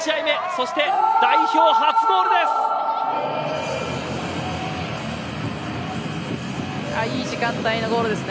そして、代表初ゴールです。